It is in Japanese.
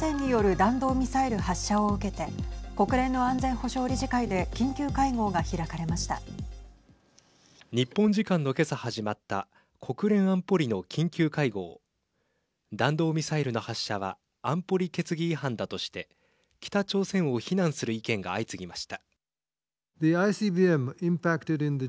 弾道ミサイルの発射は安保理決議違反だとして北朝鮮を非難する意見が相次ぎました。